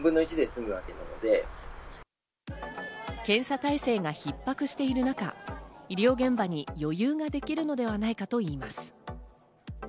検査体制が逼迫している中、医療現場に余裕ができるのではないかといいます。